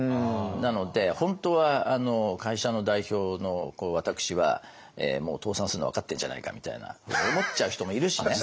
なので本当は会社の代表の私はもう倒産するの分かってんじゃないかみたいな思っちゃう人もいるしね。